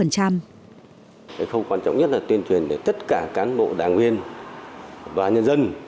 cái khâu quan trọng nhất là tuyên truyền để tất cả cán bộ đảng viên và nhân dân